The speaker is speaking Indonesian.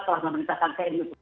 soal memerintahkan tni itu